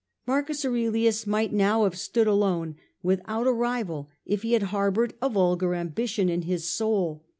Marcus Aurelius might now have stood alone without a rival, if he had harboured a vulgar ambition in his soul.